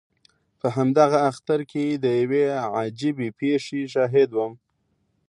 په همدغه اختر کې د یوې عجیبې پېښې شاهد وم.